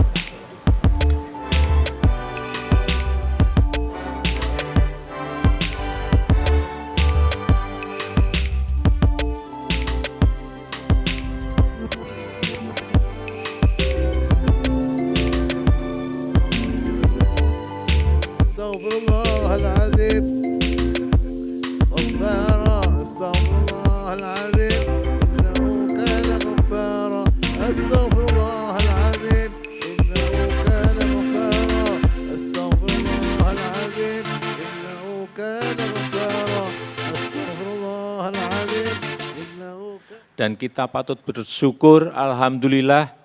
dan kita patut bersyukur alhamdulillah